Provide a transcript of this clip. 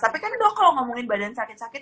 tapi kan dok kalau ngomongin badan sakit sakit